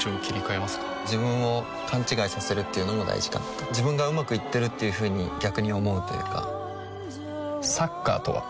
自分を勘違いさせるっていうのも大事かなと自分がうまくいってるっていうふうに逆に思うというかサッカーとは？